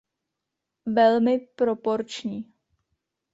Velmi proporční!